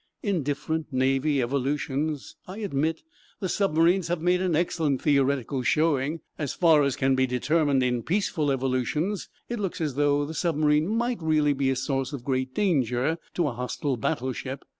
In different naval evolutions, I admit, the submarines have made an excellent theoretical showing. As far as can be determined in peaceful evolutions it looks as though the submarine might really be a source of great danger to a hostile battleship.